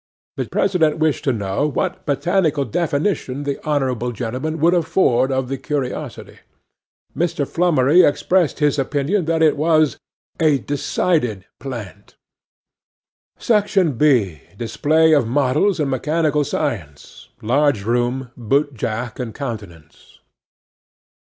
'THE PRESIDENT wished to know what botanical definition the honourable gentleman could afford of the curiosity. 'MR. FLUMMERY expressed his opinion that it was A DECIDED PLANT. 'SECTION B.—DISPLAY OF MODELS AND MECHANICAL SCIENCE. LARGE ROOM, BOOT JACK AND COUNTENANCE.